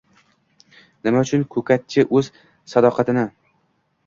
Nima uchun ko‘katchi o‘z sadoqatini